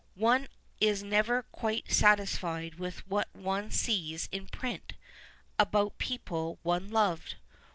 One is never (jiiilc satisfied with what one sees in j)riiit about pcoph one loved.